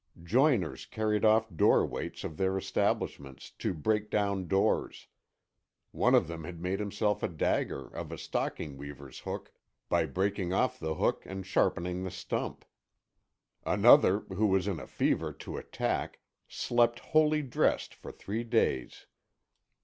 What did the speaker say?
Joiners carried off door weights of their establishment "to break down doors." One of them had made himself a dagger of a stocking weaver's hook by breaking off the hook and sharpening the stump. Another, who was in a fever "to attack," slept wholly dressed for three days.